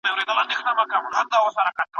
د چا له رضا پرته د حق ځنډول جواز نلري؟